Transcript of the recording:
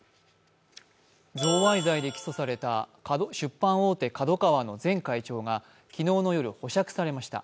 贈賄罪で起訴された出版大手ＫＡＤＯＫＡＷＡの前会長が昨日の夜、保釈されました。